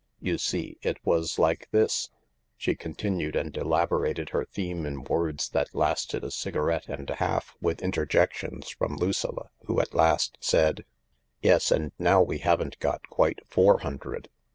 You see, it was like this ..." She con tinued and elaborated her theme in words that lasted a cigar ette and a half with interjections from Lucilla, who at last said :" Yes, and now we haven't got quite four hundred."